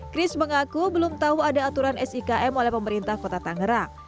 chris mengaku belum tahu ada aturan sikm oleh pemerintah kota tangerang